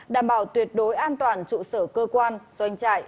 đảm bảo tuyệt đối an toàn trụ sở cơ quan doanh trại